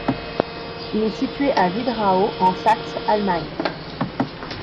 Il est situé à Wiederau, en Saxe, Allemagne.